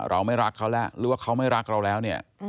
เราไม่รักเขาแล้วหรือว่าเขาไม่รักเราแล้วเนี่ย